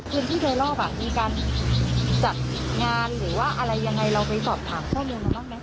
เพื่อนที่เคยรอบอ่ะมีการจัดงานหรือว่าอะไรยังไงเราไปตอบถามเจ้าเมืองแล้วบ้างไหม